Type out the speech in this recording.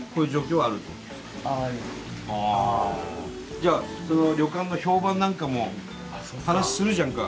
じゃあ旅館の評判なんかも話しするじゃんか。